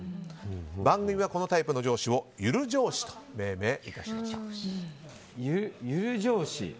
番組はこのタイプの上司をゆる上司と命名しました。